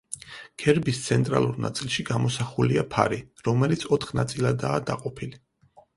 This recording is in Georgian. გერბის ცენტრალურ ნაწილში გამოსახულია ფარი, რომელიც ოთხ ნაწილადაა დაყოფილი.